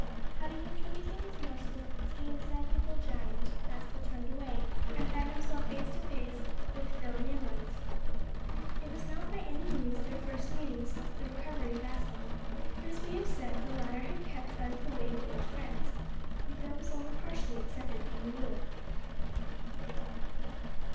Having contributed his morsel to the insatiable giant, Aspel turned away, and found himself face to face with Phil Maylands. It was not by any means their first meeting since the recovery of Aspel, but, as we have said, the latter had kept out of the way of old friends, and Phil was only partially excepted from the rule.